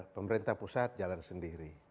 pemerintah pusat jalan sendiri